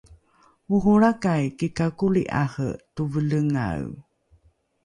oholrakai kikakoli’are tovelengae